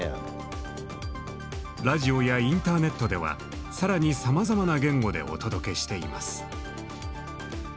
ラジオやインターネットでは更にさまざまな言語でお届けしています。